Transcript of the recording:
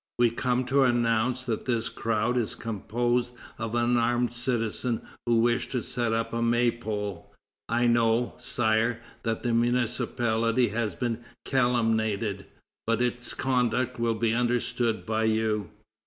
We come to announce that this crowd is composed of unarmed citizens who wish to set up a may pole. I know, Sire, that the municipality has been calumniated; but its conduct will be understood by you."